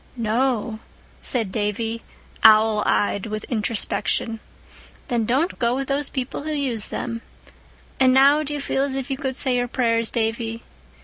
"No," said Davy, owl eyed with introspection. "Then don't go with those people who use them. And now do you feel as if you could say your prayers, Davy?"